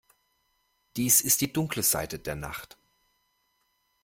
Dies ist die dunkle Seite der Nacht.